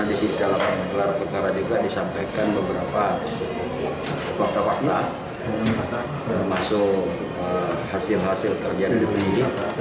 di dalam gelar perkara juga disampaikan beberapa fakta fakta termasuk hasil hasil kerja dari penyidik